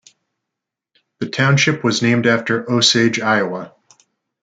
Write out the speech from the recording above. The township was named after Osage, Iowa.